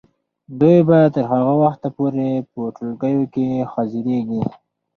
دوی به تر هغه وخته پورې په ټولګیو کې حاضریږي.